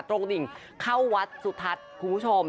หนิ่งเข้าวัดสุทัศน์คุณผู้ชม